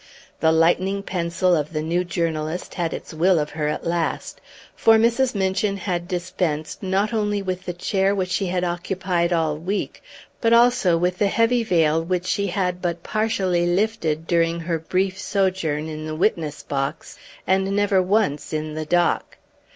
The lightning pencil of the new journalist had its will of her at last. For Mrs. Minchin had dispensed not only with the chair which she had occupied all the week, but also with the heavy veil which she had but partially lifted during her brief sojourn in the witness box, and never once in the dock.